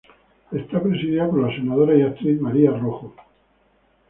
Es presidida por la Senadora y actriz María Rojo.